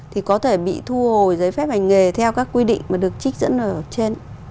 thì có thể bị thu hồi giấy phép hành nghề theo các quy định mà được trích dẫn ở trên